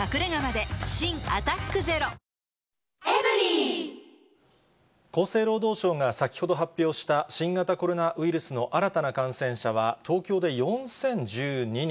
新「アタックＺＥＲＯ」厚生労働省が先ほど発表した新型コロナウイルスの新たな感染者は東京で４０１２人。